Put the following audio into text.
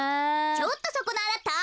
ちょっとそこのあなた。